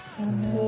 お。